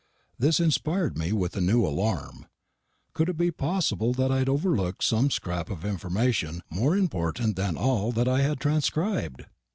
This inspired me with a new alarm. Could it be possible that I had overlooked some scrap of information more important than all that I had transcribed?